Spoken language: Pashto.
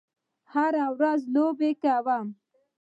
هره ورځ لوبې کوم